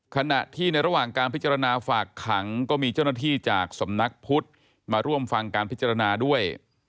ขณะที่ในระหว่างการพิจารณาฝากขังก็มีเจ้าหน้าที่จากสำนักพุทธมาร่วมฟังการพิจารณาด้วย